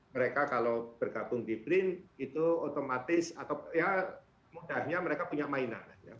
mereka kalau bergabung di brin itu otomatis atau ya mudahnya mereka punya mainan